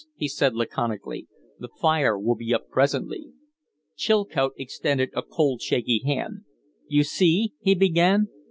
he said, laconically. "The fire will be up presently." Chilcote extended a cold and shaky hand. "You see " he began.